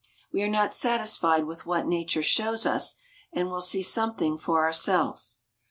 We are not satisfied with what nature shows us, and will see something for ourselves.